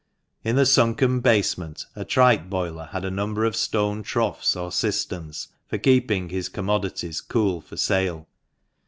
In the sunken basement a tripe boiler had a number of stone troughs or cisterns, for keeping his commodities cool for sale.